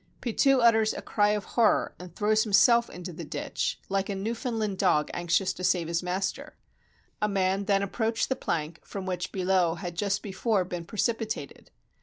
Pitou utters a cry of horror and throws himself into the ditch, like a Newfoundland dog anxious to save his master. A man then approached the plank from which Billot had just before been precipi tated.